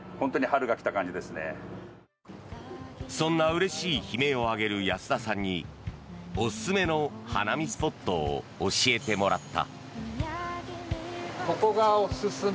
そんなうれしい悲鳴を上げる安田さんにおすすめの花見スポットを教えてもらった。